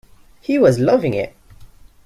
He was loving it!